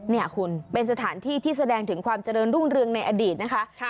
นี่คุณเป็นสถานที่ที่แสดงถึงความเจริญรุ่งเรืองในอดีตนะคะ